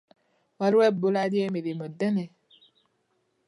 Waliwo ebbula ly'emirimu ddene.